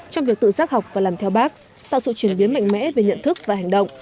trong việc tự giác học và làm theo bác tạo sự chuyển biến mạnh mẽ về nhận thức và hành động